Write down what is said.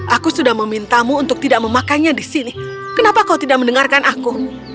aku sudah memintamu untuk tidak memakainya di sini kenapa kau tidak mendengarkan aku